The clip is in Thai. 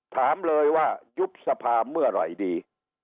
ถามเลยว่ายุบสภาเมื่อไหร่ดี